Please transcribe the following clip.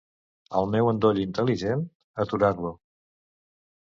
El meu endoll intel·ligent, aturar-lo.